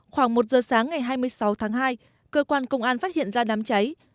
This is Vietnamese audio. khoảng một giờ sáng ngày hai mươi sáu tháng hai cơ quan công an phát hiện ra đám cháy